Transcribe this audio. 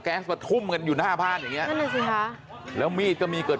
แก๊สมาทุ่มเหมือนอยู่หน้าบ้านอย่างเนี้ยแล้วมีดก็มีเกิด